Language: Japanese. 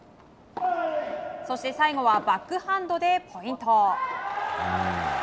そして、最後はバックハンドでポイント。